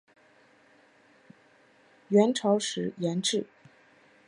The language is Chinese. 元朝时沿置。